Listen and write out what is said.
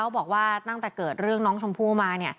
บอกว่าตั้งแต่เกิดเรื่องน้องชมพู่มา